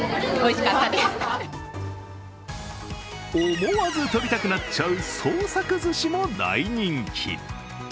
思わず撮りたくなっちゃう創作ずしも大人気。